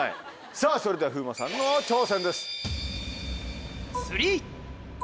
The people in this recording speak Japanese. さぁそれでは風磨さんの挑戦です。